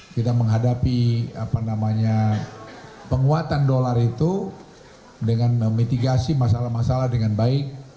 kita menghadapi penguatan dolar itu dengan memitigasi masalah masalah dengan baik